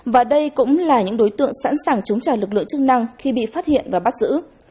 và đây cũng là những đối tượng sẵn sàng chống trả lực lượng chức năng khi bị phát hiện và bắt giữ